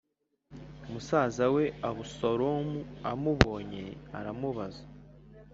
Musaza we Abusalomu amubonye aramubaza